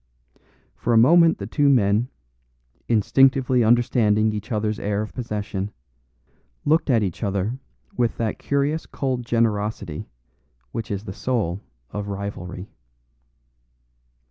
For a moment the two men, instinctively understanding each other's air of possession, looked at each other with that curious cold generosity which is the soul of rivalry.